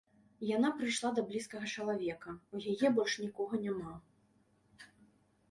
Яна прыйшла да блізкага чалавека, у яе больш нікога няма.